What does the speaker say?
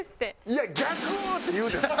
「いや逆」って言うんじゃない。